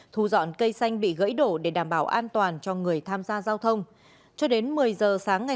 thu dọn cây xanh bị gãy đổ để đảm bảo an toàn cho người tham gia giao thông cho đến một mươi giờ sáng ngày